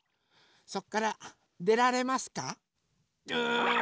そっからでられますか？